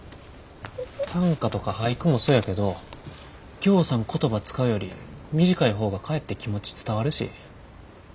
短歌とか俳句もそやけどぎょうさん言葉使うより短い方がかえって気持ち伝わるし。